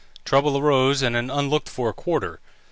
Trouble arose in an unlooked for quarter.